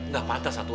enggak pantas satu